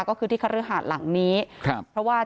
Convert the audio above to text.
ก็คือที่คฤหาสหลังนี้ครับเพราะว่า